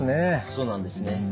そうなんですね。